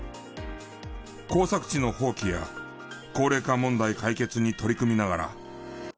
耕作地の放棄や高齢化問題解決に取り組みながら。